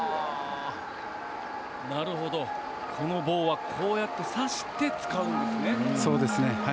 なるほど、この棒はこうやって刺して使うんですね。